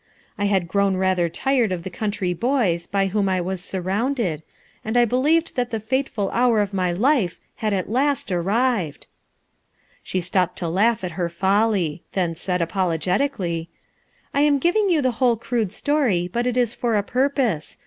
I had grown rather tired of the country boys by whom I was surrounded, and I believed that the fateful hour of my life had at last arrived," She stopped to laugh at her folly; then said, apologetically, "I am giving you the whole crude story, but it is for a purpose.